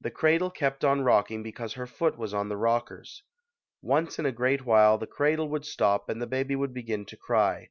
The cradle kept on rock ing because her foot was on the rockers. Once in a great while, the cradle would stop and the baby would begin to cry.